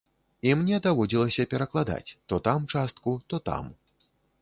І мне даводзілася перакладаць, то там частку, то там.